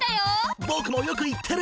僕もよく行ってる！